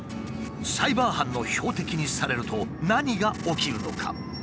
サイバー犯の標的にされると何が起きるのか？